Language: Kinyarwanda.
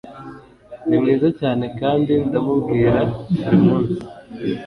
Ni mwiza cyane kandi ndamubwira buri munsi